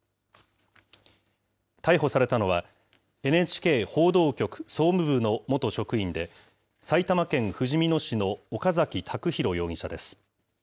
逮捕されたのは、ＮＨＫ報道局総務部の元職員で、埼玉県ふじみ野市の岡崎卓太容疑者です。